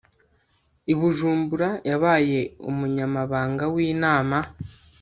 i bujumbura. yabaye umunyamabanga w'inama